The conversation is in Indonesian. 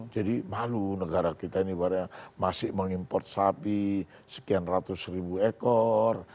jadi malu negara kita ini bahwa masih mengimport sapi sekian ratus ribu ekor